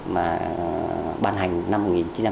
mà ban hành năm một nghìn chín trăm chín mươi bảy